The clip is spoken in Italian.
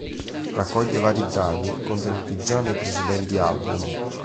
Raccoglie vari brani, contenuti già nei precedenti album.